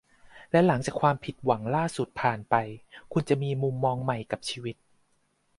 และหลังจากความผิดหวังล่าสุดผ่านไปคุณจะมีมุมมองใหม่กับชีวิต